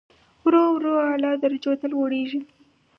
ورو ورو اعلی درجو ته لوړېږي.